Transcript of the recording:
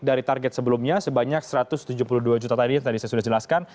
dari target sebelumnya sebanyak satu ratus tujuh puluh dua juta tadi yang tadi saya sudah jelaskan